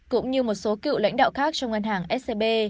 cũng như một số cựu lãnh đạo khác trong ngân hàng scb